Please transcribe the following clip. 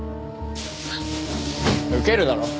ウケるだろ？